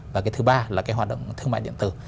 và thứ ba là hoạt động thương mại điện tử